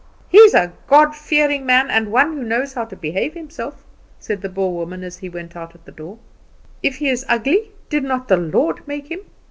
"He's a God fearing man, and one who knows how to behave himself," said the Boer woman as he went out at the door. "If he's ugly, did not the Lord make him?